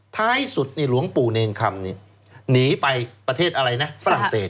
ท้ายสุดหลวงปู่เนรคำนี่หนีไปประเทศอะไรนะฝรั่งเศส